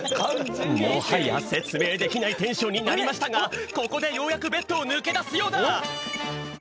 もはやせつめいできないテンションになりましたがここでようやくベッドをぬけだすようだ！